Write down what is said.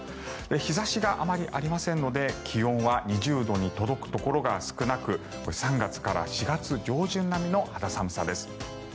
日差しがあまりありませんので気温は２０度に届くところが少なく３月から４月上旬並みの肌寒さです。